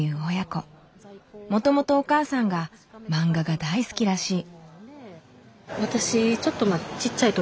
もともとお母さんがマンガが大好きらしい。